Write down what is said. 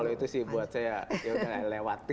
kalau itu sih buat saya yaudah lewatin